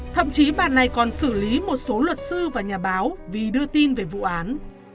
thậm chí bà này còn xử lý một số luật sư và nhà báo vì đưa tin về vụ án